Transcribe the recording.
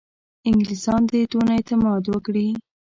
انګلیسیان دي دونه اعتماد وکړي.